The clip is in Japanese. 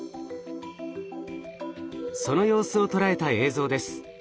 その様子を捉えた映像です。